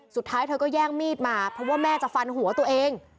สุดท้ายเธอก็แย่งมีดมาเพราะว่าแม่จะฟันหัวตัวเอง